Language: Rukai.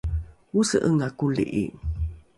ose’enga koli’i